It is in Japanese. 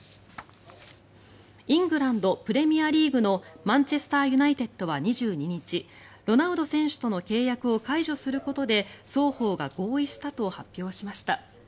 イングランド・プレミアリーグのマンチェスター・ユナイテッドは２２日ロナウド選手との契約を解除することで双方が合意したと発表しました。